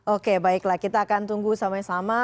oke baiklah kita akan tunggu sama sama